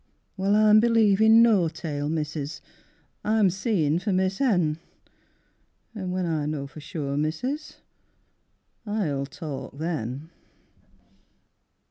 Well, I'm believin' no tale, Missis, I'm seein' for my sen; An' when I know for sure, Missis, I'll talk then.